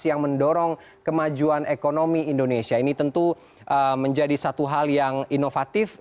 yang mendorong kemajuan ekonomi indonesia ini tentu menjadi satu hal yang inovatif